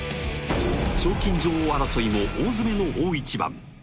賞金女王争いも大詰めの大一番。